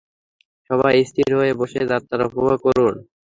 সবাই স্থির হয়ে বসে যাত্রা উপভোগ করুন।